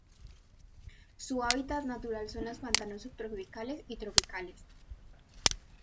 Su hábitat natural son los pantanos subtropicales y tropicales.